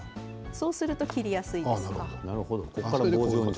そうすると切りやすいですよ。